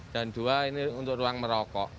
dan dua ini untuk ruang merokok